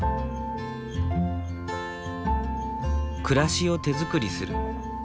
「暮らしを手づくりする。